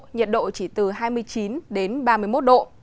nhiệt độ chỉ từ hai mươi chín đến ba mươi một độ